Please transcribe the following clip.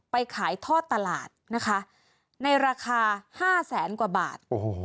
ไปขายทอดตลาดนะคะในราคา๕แสนกว่าบาท